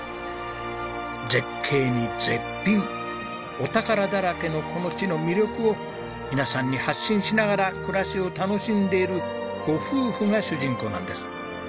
絶景に絶品お宝だらけのこの地の魅力を皆さんに発信しながら暮らしを楽しんでいるご夫婦が主人公なんです。